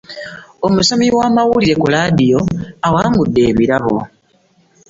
Omusomi w'amawulire ku laadiyo awangudde ebirabo.